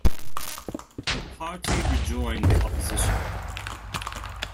The party rejoined the opposition.